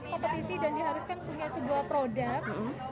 kompetisi dan diharuskan punya sebuah produk